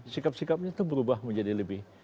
sikap sikapnya itu berubah menjadi lebih